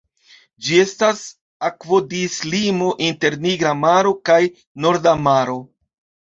Ĝi estas akvodislimo inter Nigra Maro kaj Norda Maro.